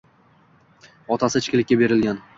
Otasi ichkilikka berilgan